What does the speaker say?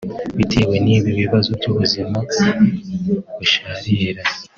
bitewe n’ibi bibazo by’ubuzima busharira